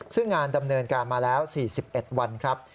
ซึ่งงานดำเนินการมาแล้ว๔๑วันครับ